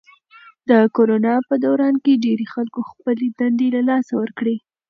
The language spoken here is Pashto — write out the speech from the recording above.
د کرونا په دوران کې ډېری خلکو خپلې دندې له لاسه ورکړې.